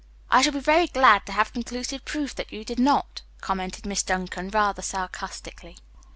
"I shall be very glad to have conclusive proof that you did not," commented Miss Duncan rather sarcastically.